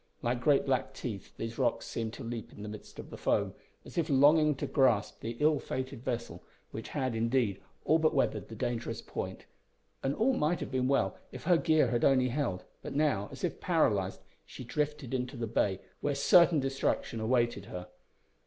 Like great black teeth these rocks seemed to leap in the midst of the foam, as if longing to grasp the ill fated vessel, which had, indeed, all but weathered the dangerous point, and all might have been well if her gear had only held; but now, as if paralysed, she drifted into the bay where certain destruction awaited her.